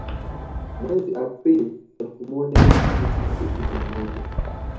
Mwezi Aprili elfu moja mia tisa sitini na moja